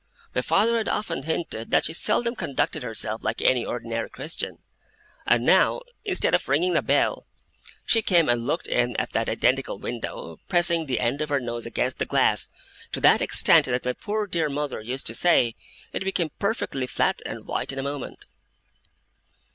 My father had often hinted that she seldom conducted herself like any ordinary Christian; and now, instead of ringing the bell, she came and looked in at that identical window, pressing the end of her nose against the glass to that extent, that my poor dear mother used to say it became perfectly flat and white in a moment.